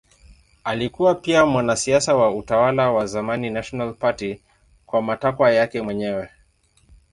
Alikuwa pia mwanasiasa wa utawala wa zamani National Party kwa matakwa yake mwenyewe.